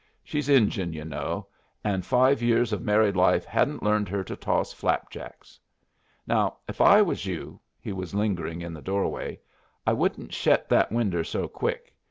She's Injun, yu' know, and five years of married life hadn't learned her to toss flapjacks. Now if I was you" (he was lingering in the doorway) "I wouldn't shet that winder so quick.